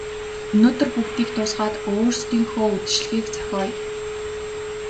Өнөөдөр бүгдийг дуусгаад өөрсдийнхөө үдэшлэгийг зохиоё.